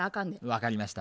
分かりました。